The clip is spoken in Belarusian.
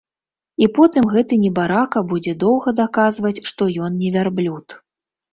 І потым гэты небарака будзе доўга даказваць, што ён не вярблюд.